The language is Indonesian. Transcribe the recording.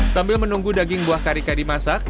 sambil menunggu daging buah karika dimasak